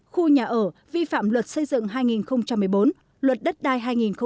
khu nhà ở vi phạm luật xây dựng hai nghìn một mươi bốn luật đất đai hai nghìn một mươi bốn